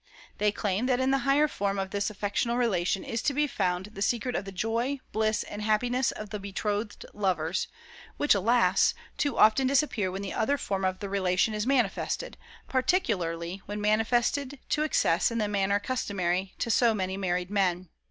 They claim that in the higher form of this affectional relation is to be found the secret of the joy, bliss, and happiness of the betrothed lovers, which alas! too often disappear when the other form of the relation is manifested, particularly when manifested to excess in the manner customary to so many married men.